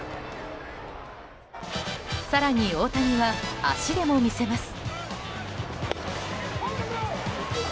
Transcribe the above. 更に大谷は足でも魅せます。